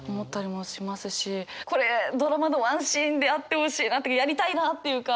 これドラマのワンシーンであってほしいやりたいなっていうか。